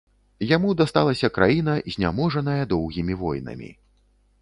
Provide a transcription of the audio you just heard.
Яму дасталася краіна, зняможаная доўгімі войнамі.